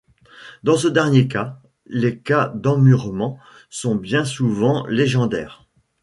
Dans ce dernier cas, les cas d'emmurement sont bien souvent légendaires.